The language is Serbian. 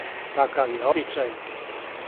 Такав је обичај.